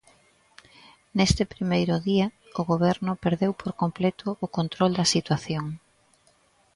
Neste primeiro día o goberno perdeu por completo o control da situación.